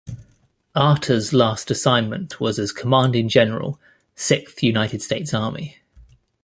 Arter's last assignment was as Commanding General, Sixth United States Army.